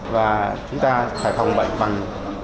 và chúng ta phải phòng bệnh bằng